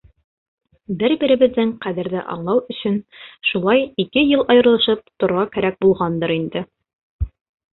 Бер-беребеҙҙең ҡәҙерҙе аңлау өсөн шулай ике йыл айырылышып торорға кәрәк булғандыр инде.